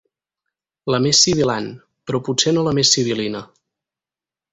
La més sibil·lant, però potser no la més sibil·lina.